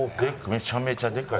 めちゃめちゃでかい。